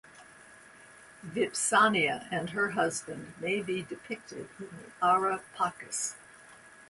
Vipsania and her husband may be depicted in the Ara Pacis.